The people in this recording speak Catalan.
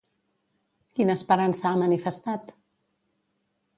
Quina esperança ha manifestat?